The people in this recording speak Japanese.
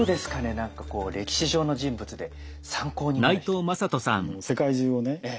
何かこう歴史上の人物で参考になる人って。